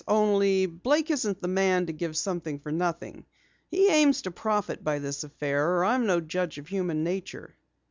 Only Blake isn't the man to give something for nothing. He aims to profit by this affair, or I'm no judge of human nature."